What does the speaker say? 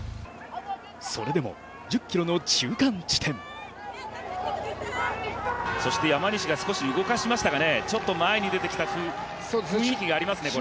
それでも１０ｋｍの中間地点山西が少し動かしましたかね、ちょっと前に出てきた雰囲気がありますね。